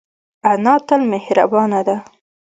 انا تل مهربانه ده